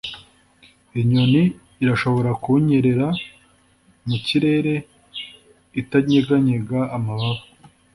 inyoni irashobora kunyerera mu kirere itanyeganyega amababa